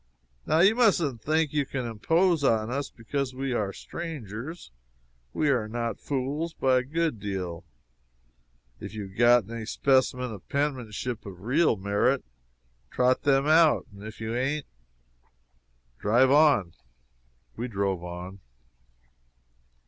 Now you musn't think you can impose on us because we are strangers. We are not fools, by a good deal. If you have got any specimens of penmanship of real merit, trot them out! and if you haven't, drive on!" We drove on.